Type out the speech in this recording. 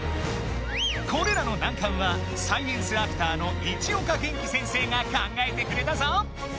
これらの難関はサイエンスアクターの市岡元気先生が考えてくれたぞ。